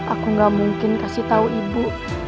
aku gak mungkin kasih tahu ibu